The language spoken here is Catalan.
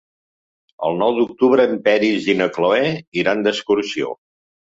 El nou d'octubre en Peris i na Cloè iran d'excursió.